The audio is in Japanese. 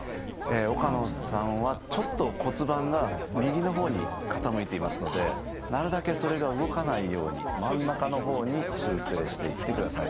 岡野さんはちょっと骨盤が右の方に傾いていますのでなるだけそれが動かないように真ん中の方に修正していってください。